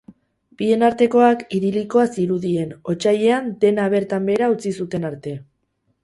Bien artekoak idilikoa zirudien, otsailean dena bertan behera utzi zuten arte.